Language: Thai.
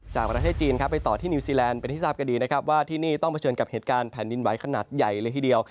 ประเทศจีนครับไปต่อที่นิวซีแลนด์เป็นที่ทราบกันดีนะครับว่าที่นี่ต้องเผชิญกับเหตุการณ์แผ่นดินไหวขนาดใหญ่เลยทีเดียว